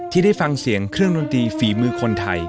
ที่ได้ฟังเสียงเครื่องดนตรีฝีมือคนไทย